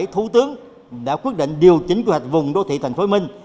thủ tướng đã quyết định điều chỉnh quy hoạch vùng đô thị thành phố hồ chí minh